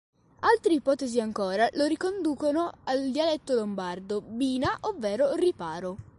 Altre ipotesi ancora, lo riconducono al dialetto lombardo "bina", ovvero "riparo".